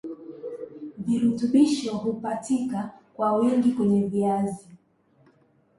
Virutubisho hupatika kwa wingi kwenye viazi